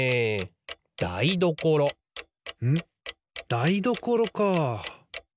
だいどころかあ。